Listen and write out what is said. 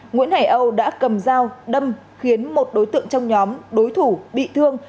nguyễn hải âu đã cầm dao đâm khiến một đối tượng trong nhóm đối thủ bị thương